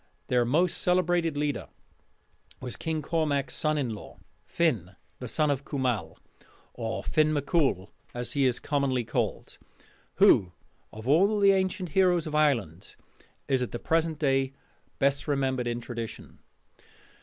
Their most celebrated leader was King Cormac's son in law, Finn, the son of Cumal or Finn mac Coole, as he is commonly called who of all the ancient heroes of Ireland is at the present day best remembered in tradition.